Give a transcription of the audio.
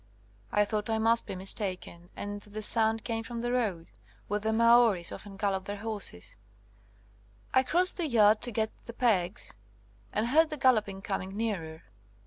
I thought I must be mistaken, and that the sound came from the road, where the Maoris often gal lop their horses. I crossed the yard to get the pegs, and heard the galloping coming nearer.